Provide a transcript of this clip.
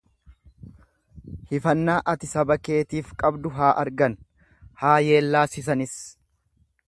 Hifannaa ati saba keetiif qabdu haa argan, haa yeellaasisanis.